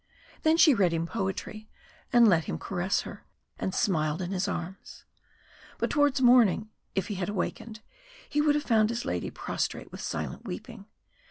Then she read him poetry, and let him caress her, and smiled in his arms. But towards morning, if he had awakened, he would have found his lady prostrate with silent weeping.